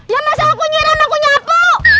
ya masa aku nyira sama aku nyapu